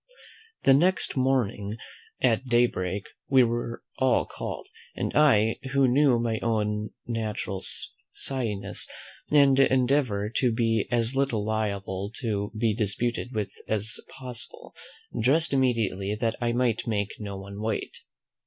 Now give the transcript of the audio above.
The next morning at day break we were all called; and I, who knew my own natural shyness, and endeavour to be as little liable to be disputed with as possible, dressed immediately, that I might make no one wait.